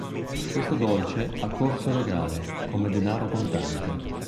Questo dolce ha corso legale, come denaro contante.